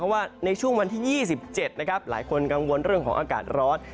เพราะว่าในช่วงวันที่๒๗นะครับหลายคนกังวลเรื่องของอากาศร้อน